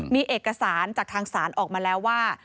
มีเอกสารจากทางศาลออกมาแล้วว่า